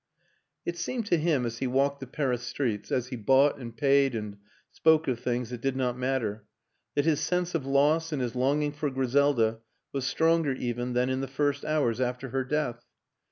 It seemed to him, as he walked the Paris streets, as he bought and paid and spoke of things that did not matter, that his sense of loss and his longing for Griselda was stronger even than in the first hours after her death.